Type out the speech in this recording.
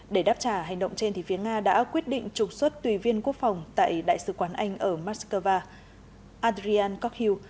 để đáp trả hành động trên phía nga đã quyết định trục xuất tùy viên quốc phòng tại đại sứ quán anh ở moscow adrian kokhyl